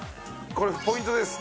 これポイントです。